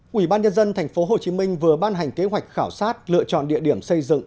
quỹ ban nhân dân tp hcm vừa ban hành kế hoạch khảo sát lựa chọn địa điểm xây dựng